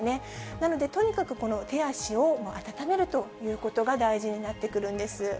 なのでとにかくこの手足を温めるということが大事になってくるんです。